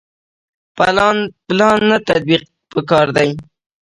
پلان نه تطبیق پکار دی